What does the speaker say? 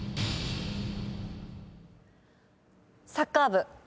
サッカー部。